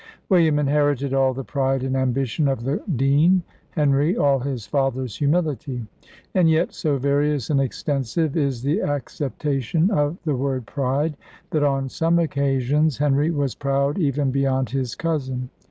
William inherited all the pride and ambition of the dean Henry, all his father's humility. And yet, so various and extensive is the acceptation of the word pride, that, on some occasions, Henry was proud even beyond his cousin.